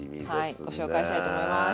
はいご紹介したいと思います。